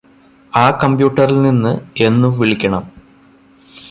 ആ കമ്പ്യൂട്ടറിൽ നിന്ന് എന്നും വിളിക്കണം